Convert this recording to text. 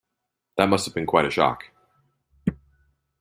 That must have been quite a shock.